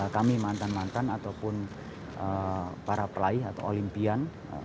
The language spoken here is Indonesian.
kami mantan mantan ataupun para pelaih atau olimpian